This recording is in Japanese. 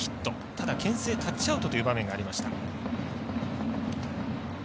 ただ、けん制タッチアウトという場面がありました。